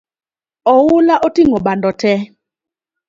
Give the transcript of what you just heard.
Oula oting’o bando tee